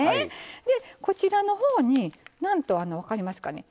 こちらのほうになんと分かりますかね